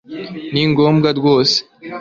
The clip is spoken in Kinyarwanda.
Ni ngombwa rwose